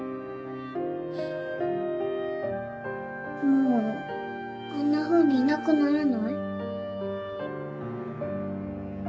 もうあんなふうにいなくならない？